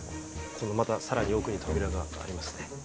このまた更に奥に扉がありますね。